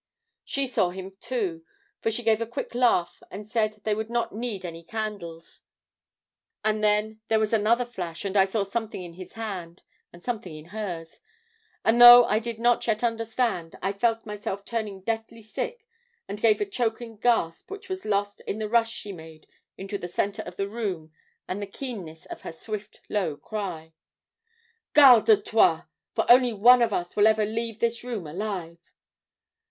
"She saw him too, for she gave a quick laugh and said they would not need any candles; and then, there was another flash and I saw something in his hand and something in hers, and though I did not yet understand, I felt myself turning deathly sick and gave a choking gasp which was lost in the rush she made into the centre of the room, and the keenness of her swift low cry. "'Garde toi! for only one of us will ever leave this room alive!